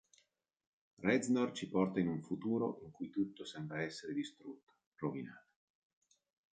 Reznor ci porta in un "futuro" in cui tutto sembra essere distrutto, rovinato.